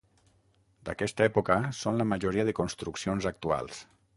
D'aquesta època són la majoria de construccions actuals.